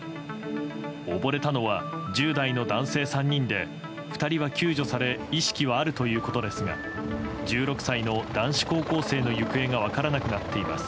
溺れたのは、１０代の男性３人で２人は救助され意識はあるということですが１６歳の男子高校生の行方が分からなくなっています。